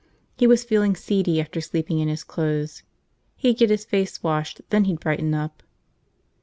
He was feeling seedy after sleeping in his clothes. He'd get his face washed, then he'd brighten up.